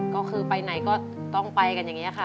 ก็คือไปไหนก็ต้องไปกันอย่างนี้ค่ะ